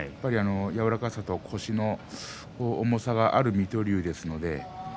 柔らかさと腰の重さがある水戸龍ですね。